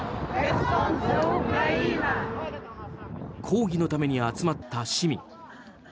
抗議のために集まった市民。